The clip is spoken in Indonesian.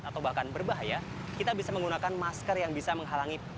di level tidak sehat atau bahkan berbahaya kita bisa menggunakan masker yang bisa menghalangi